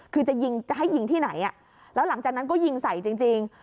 คือจะยิงจะให้ยิงที่ไหนแล้วหลังจากนั้นก็ยิงใส่จริง